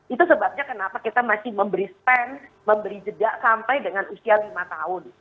itu sebabnya kenapa kita masih memberi spend memberi jeda sampai dengan usia lima tahun